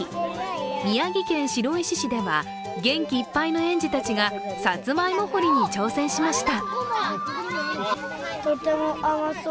宮城県白石市では元気いっぱいの園児たちがサツマイモ掘りに挑戦しました。